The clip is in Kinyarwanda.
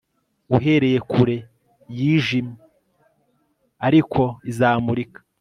Uhereye kure yijimye ariko izamurika